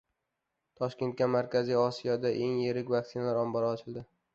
Toshkentda Markaziy Osiyodagi eng yirik vaksinalar ombori ochildi